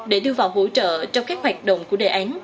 để đưa vào hỗ trợ trong các hoạt động của đề án